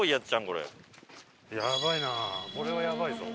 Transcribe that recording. やばいな。